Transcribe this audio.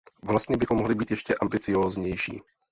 Vlastně bychom mohli být ještě ambicióznější.